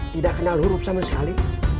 tidak kenal huruf sama sekali